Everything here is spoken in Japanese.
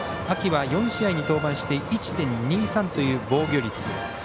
秋は４試合に登板して１．２３という防御率。